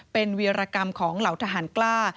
เป็นวีรกรรมของเหล่าทหารกล้า